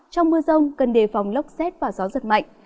trong mưa rông cần đề phòng lốc xét và gió giật mạnh